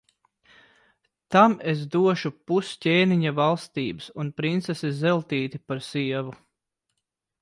Tam es došu pus ķēniņa valstības un princesi Zeltīti par sievu.